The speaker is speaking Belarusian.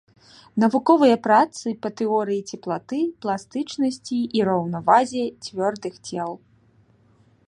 Навуковыя працы па тэорыі цеплаты, пластычнасці і раўнавазе цвёрдых цел.